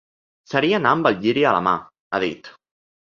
Seria anar amb el lliri a la mà, ha dit.